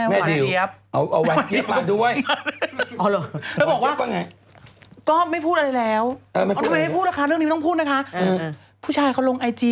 เพราะพี่รับรู้ได้ว่าเราอยู่กันเพราะอะไร